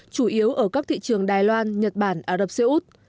chủ yếu ở các thị trường đài loan nhật bản ả rập xê út